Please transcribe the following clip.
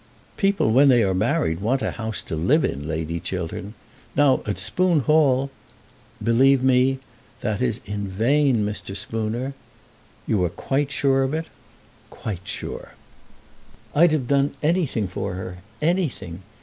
"People, when they are married, want a house to live in, Lady Chiltern. Now at Spoon Hall " "Believe me, that is in vain, Mr. Spooner." "You are quite sure of it?" "Quite sure." "I'd have done anything for her, anything!